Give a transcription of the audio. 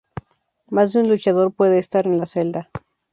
Más de un luchador puede estar en la celda.